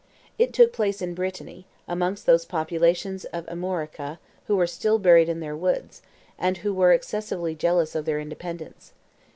It took place in Brittany, amongst those populations of Armorica who were still buried in their woods, and were excessively jealous of their independence.